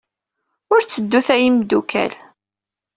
Ur tteddut a imeddukal.